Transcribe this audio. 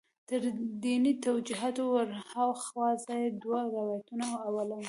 تر دیني توجیهاتو ور هاخوا زه یې دوه روایتونه لولم.